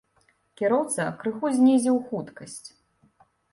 Кіроўца крыху знізіў хуткасць.